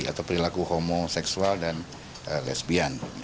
atau perilaku homoseksual dan lesbian